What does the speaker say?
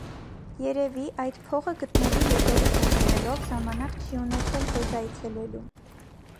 Երևի, այդ փողը գտնելու ետևից ընկնելով, ժամանակ չի ունեցել ձեզ այցելելու: